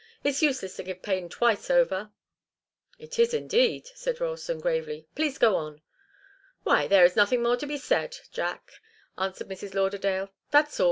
It's useless to give pain twice over." "It is indeed," said Ralston, gravely. "Please go on." "Why there's nothing more to be said, Jack," answered Mrs. Lauderdale. "That's all.